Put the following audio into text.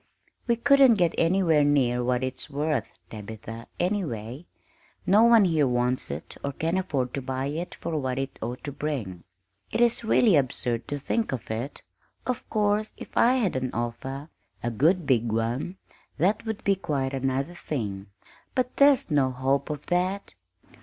"We couldn't get anywhere near what it's worth, Tabitha, anyway. No one here wants it or can afford to buy it for what it ought to bring. It is really absurd to think of it. Of course, if I had an offer a good big one that would be quite another thing; but there's no hope of that."